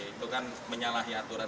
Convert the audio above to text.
itu kan menyalahi aturan